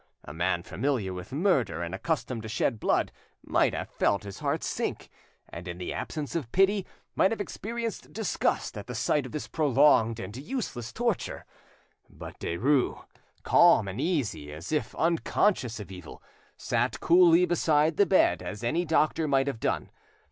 A man familiar with murder and accustomed to shed blood might have felt his heart sink, and, in the absence of pity, might have experienced disgust at the sight of this prolonged and useless torture; but Derues, calm and easy, as if unconscious of evil, sat coolly beside the bed, as any doctor might have done.